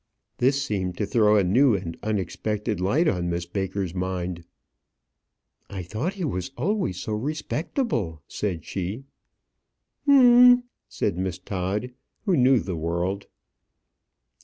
This seemed to throw a new and unexpected light on Miss Baker's mind. "I thought he was always so very respectable," said she. "Hum m m!" said Miss Todd, who knew the world.